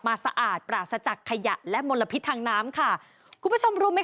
สะอาดปราศจากขยะและมลพิษทางน้ำค่ะคุณผู้ชมรู้ไหมค